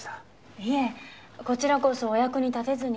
いえこちらこそお役に立てずに。